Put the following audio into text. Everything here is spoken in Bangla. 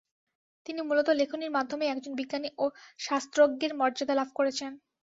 তিনি মূলত লেখনীর মাধ্যমেই একজন বিজ্ঞানী ও শাস্ত্রজ্ঞের মর্যাদা লাভ করেছেন।